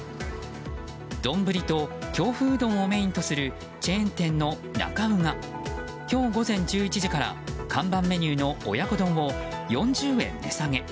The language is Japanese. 丼と京風うどんをメインとするチェーン店なか卯が今日午前１１時から看板メニューの親子丼を４０円、値下げ。